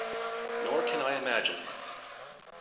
Nor can I imagine.